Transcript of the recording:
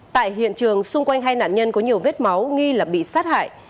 tại hiện trường xung quanh hai nạn nhân có nhiều vết máu nghi là bị sát hại